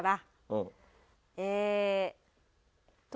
うん。